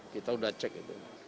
kita sudah cek itu